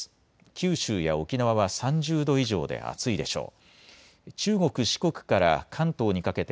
九州や沖縄は３０度以上で暑いでしょう。